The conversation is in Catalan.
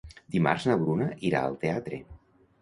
Dimarts na Bruna irà al teatre.